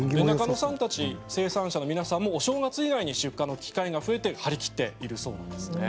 中野さんたち生産者の皆さんもお正月に出荷の機会が増えて張り切っているそうです。